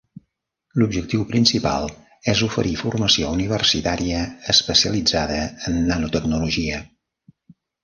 L'objectiu principal és oferir formació universitària especialitzada en nanotecnologia.